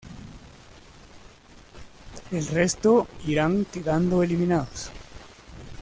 El resto, irán quedando eliminados.